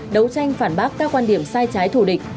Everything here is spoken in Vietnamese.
đấu tranh phản bác các quan điểm sai trái thù địch